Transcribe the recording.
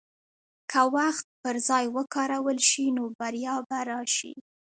که وخت پر ځای وکارول شي، نو بریا به راشي.